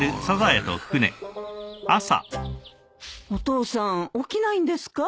お父さん起きないんですか？